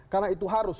karena itu harus